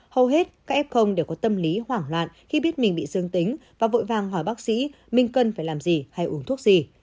hầu hết các f đều có tâm lý hoảng loạn khi biết mình bị dương tính và vội vàng hỏi bác sĩ mình cần phải làm gì hay uống thuốc gì